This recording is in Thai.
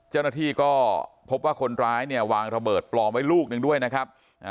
เจ้าหน้าที่ก็พบว่าคนร้ายเนี่ยวางระเบิดปลอมไว้ลูกหนึ่งด้วยนะครับ